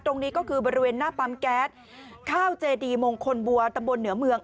ตรงนี้ก็คือบริเวณหน้าปั๊มแก๊สข้าวเจดีมงคลบัวตำบลเหนือเมือง